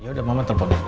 ya udah mama telepon